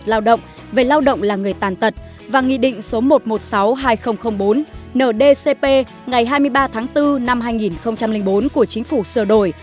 hai theo luật lao động về lao động là người tàn tật và nghị định số một trăm một mươi sáu hai nghìn bốn nd cp ngày hai mươi ba tháng bốn năm hai nghìn bốn của chính phủ sờ đổi